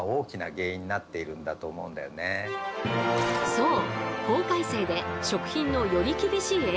そう！